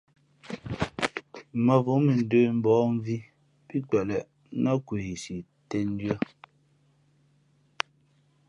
Mα̌vō mʉndə̌ mbᾱᾱ mvī pí kweleʼ nά kwesi tēndʉ̄ᾱ.